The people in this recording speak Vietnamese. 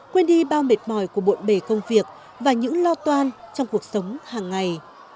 quên đi bao mệt mỏi của bộn bề công việc và những lo toan trong cuộc sống hàng ngày